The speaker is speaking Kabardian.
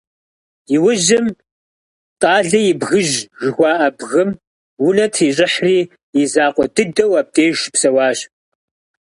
Иужьым «Тӏалэ и бгыжь» жыхуаӏэ бгым унэ трищӏыхьри, и закъуэ дыдэу абдеж щыпсэуащ.